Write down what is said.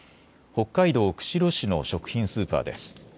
北海道釧路市の食品スーパーです。